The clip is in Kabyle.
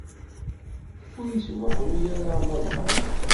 Ad isbuḥru ma bɣant.